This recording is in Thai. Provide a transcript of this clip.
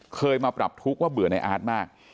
เคยมาปรับทุกข์ว่าเบื่อในอาร์ตมาก